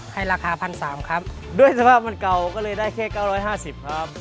ให้ราคา๑๓๐๐ครับด้วยสภาพมันเก่าก็เลยได้แค่๙๕๐ครับ